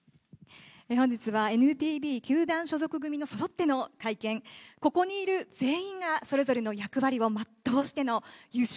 本日はＮＰＢ球団所属組のそろっての会見、ここにいる全員がそれぞれの役割を全うしての優勝。